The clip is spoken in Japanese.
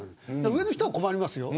上の人は困りますよ。